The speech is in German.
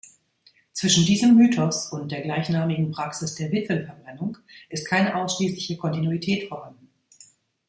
Zwischen diesem Mythos und der gleichnamigen Praxis der Witwenverbrennung ist keine ausschließliche Kontinuität vorhanden.